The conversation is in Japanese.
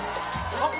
あっ！